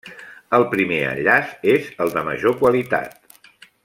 El primer enllaç és el de major qualitat.